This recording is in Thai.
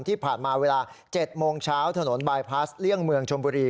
ที่ผ่านมาเวลา๗โมงเช้าถนนบายพลัสเลี่ยงเมืองชมบุรี